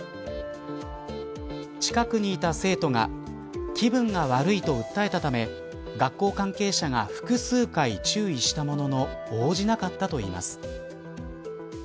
近くにいた生徒が気分が悪いと訴えたため学校関係者が複数回注意したものの応じなかったといいます。